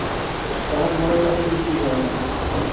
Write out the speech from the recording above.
তাহার মনের মতো কিছুই হয় না।